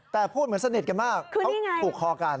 แต่พูดเหมือนสนิทกันมากเขาผูกคอกัน